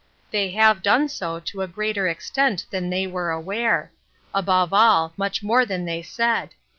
They have done so to a greater ex tent than they were aware ; above all, much more than they said.